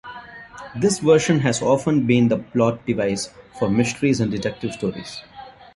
This version has often been the plot device for mysteries and detective stories.